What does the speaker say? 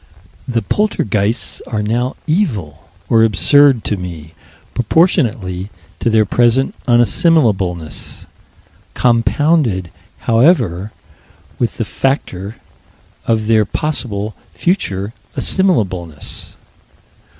The poltergeists are now evil or absurd to me, proportionately to their present unassimilableness, compounded, however, with the factor of their possible future assimilableness.